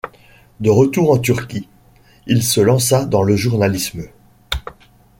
De retour en Turquie, il se lança dans le journalisme.